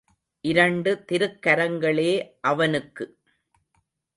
இரண்டு திருக்கரங்களே அவனுக்கு.